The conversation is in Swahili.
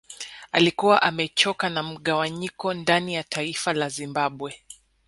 Alikuwa amechoka na mgawanyiko ndani ya taifa la Zimbabwe